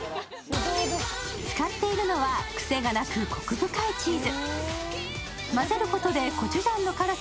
使っているのは、癖がなくこく深いチーズ。